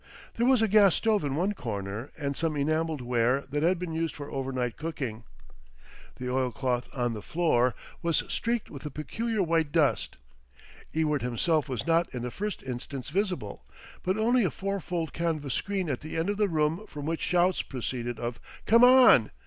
There was a gas stove in one corner, and some enameled ware that had been used for overnight cooking. The oilcloth on the floor was streaked with a peculiar white dust. Ewart himself was not in the first instance visible, but only a fourfold canvas screen at the end of the room from which shouts proceeded of "Come on!"